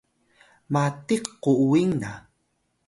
matiq kuwing na